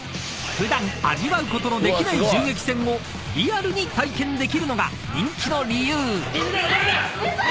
普段味わうことのできない銃撃戦をリアルに体験できるのが人気の理由］